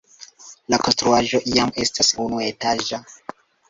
La konstruaĵo jam estas unuetaĝa.